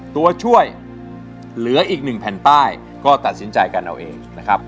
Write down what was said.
ตัวช่วยเหลืออีกหนึ่งแผ่นป้ายก็ตัดสินใจกันเอาเองนะครับ